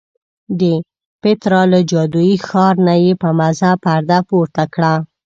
د پیترا له جادویي ښار نه یې په مزه پرده پورته کړه.